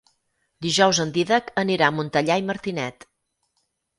Dijous en Dídac anirà a Montellà i Martinet.